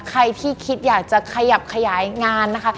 ใครที่คิดอยากจะขยับขยายงานนะคะ